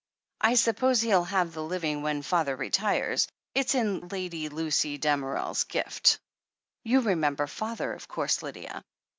I suppose he'll have the living when father retires — it's in Lady Lucy Damerel's gift. You rememl)er father, of course, Lydia?"